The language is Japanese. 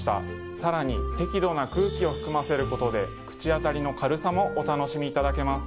さらに適度な空気を含ませることで口当たりの軽さもお楽しみいただけます。